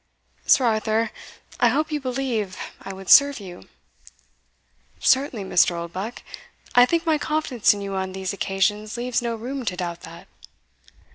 Sir Arthur, I hope you believe I would serve you?" "Certainly, Mr. Oldbuck; I think my confidence in you on these occasions leaves no room to doubt that."